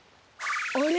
あれ？